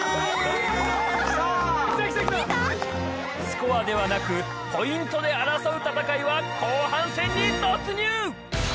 スコアではなくポイントで争う戦いは後半戦に突入！